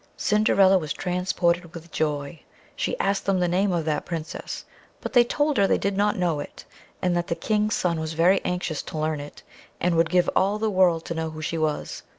Cinderilla was transported with joy; she asked them the name of that Princess; but they told her they did not know it; and that the King's son was very anxious to learn it, and would give all the world to know who she was.